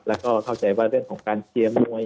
แล้วก็เข้าใจว่าเรื่องของการเชียร์มวย